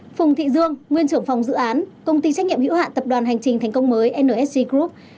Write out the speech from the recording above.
phùng thị dương nguyên trưởng phòng dự án công ty trách nhiệm hữu hạn tập đoàn hành trình thành công mới nsg group